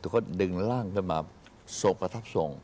ก็ดึงร่างขึ้นมาส่งประทับทรง